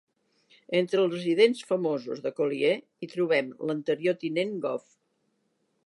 Entre els residents famosos de Colliers hi trobem l"anterior Tinent Gov.